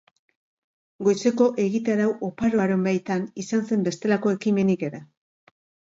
Goizeko egitarau oparoaren baitan, izan zen bestelako ekimenik ere.